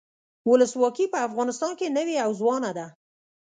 ولسواکي په افغانستان کې نوي او ځوانه ده.